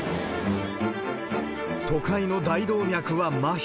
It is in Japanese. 都会の大動脈はまひ。